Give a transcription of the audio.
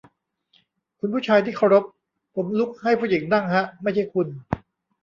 คุณผู้ชายที่เคารพ ผมลุกให้ผู้หญิงนั่งฮะ ไม่ใช่คุณ